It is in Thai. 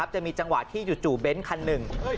จะมีจังหวะที่อยู่จู่เบนส์คันหนึ่ง